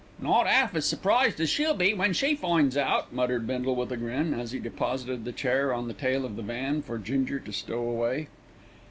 "Not 'alf as surprised as she'll be when she finds out," muttered Bindle with a grin, as he deposited the chair on the tail of the van for Ginger to stow away.